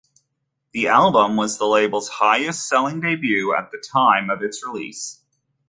The album was the label's highest selling debut at the time of its release.